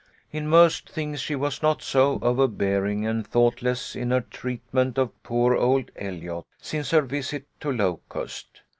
In most things she was not so overbearing and thoughtless in her treatment of poor old Eliot, since her visit to Locust.